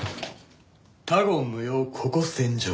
他言無用ここ戦場。